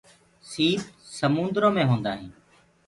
سيپ سموُندرو مي هيندآ هينٚ۔